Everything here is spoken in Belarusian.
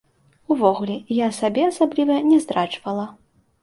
Увогуле, я сабе асабліва не здраджвала.